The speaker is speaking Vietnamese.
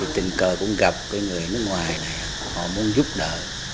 tình cờ cũng gặp người nước ngoài này họ muốn giúp đỡ